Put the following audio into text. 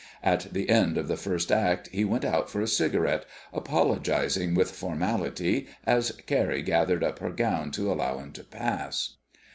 At the end of the first act he went out for a cigarette, apologising with formality as Carrie gathered up her gown to allow him to pass.